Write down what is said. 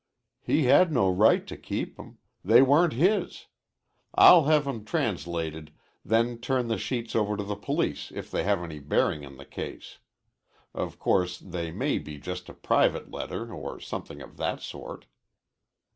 "He had no right to keep 'em. They weren't his. I'll have 'em translated, then turn the sheets over to the police if they have any bearing on the case. Of course they may be just a private letter or something of that sort."